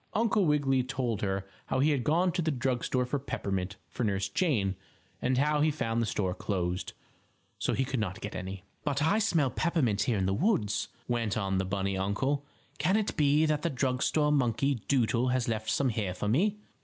Uncle Wiggily told her how he had gone to the drug store for peppermint for Nurse Jane, and how he had found the store closed, so he could not get any. "But I smell peppermint here in the woods," went on the bunny uncle. "Can it be that the drug store monkey doodle has left some here for me?"